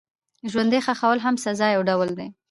ژوندي ښخول هم د سزا یو ډول و.